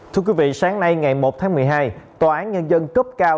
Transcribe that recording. thưa quý vị sáng nay ngày một tháng một mươi hai tòa án nhân dân cấp cao